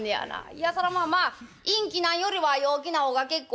いやそらまあ陰気なんよりは陽気な方が結構やな」。